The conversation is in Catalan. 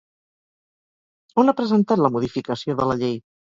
On ha presentat la modificació de la llei?